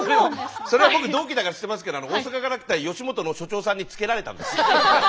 それは僕同期だから知ってますけど大阪から来た吉本の所長さんに付けられたんですよ。